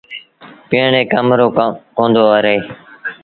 پيٚئڻ ري ڪم رو ڪوندو رهي۔